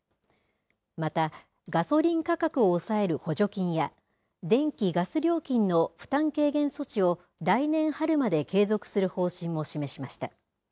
また、ガソリン価格を抑える補助金や、電気・ガス料金の負担軽減措置を来年春まで継続する方針を示しました。